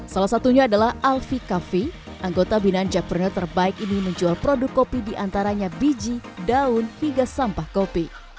salah satunya adalah alfie kaffi anggota binan jackpreneur terbaik ini menjual produk kopi diantaranya biji daun hingga sampah kopi